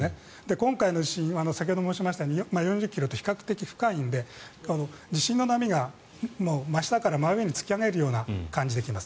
今回の地震は先ほど言いましたように４０ｋｍと比較的深いので地震の波が真下から真上に突き上げる感じできます。